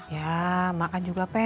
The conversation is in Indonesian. ya makan juga peng